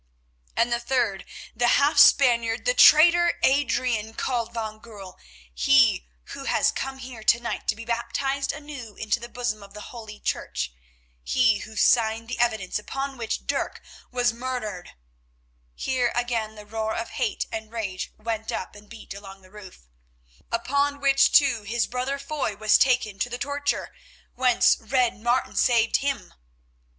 "And the third, the half Spaniard, the traitor Adrian called van Goorl, he who has come here to night to be baptised anew into the bosom of the Holy Church; he who signed the evidence upon which Dirk was murdered"—here, again, the roar of hate and rage went up and beat along the roof—"upon which too his brother Foy was taken to the torture, whence Red Martin saved him.